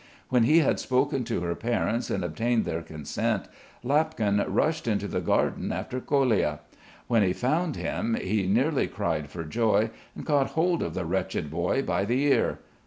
When he had spoken to her parents and obtained their consent Lapkin rushed into the garden after Kolia. When he found him he nearly cried for joy and caught hold of the wretched boy by the ear.